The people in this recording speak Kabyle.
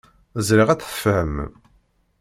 Ẓriɣ ad tt-tfehmem.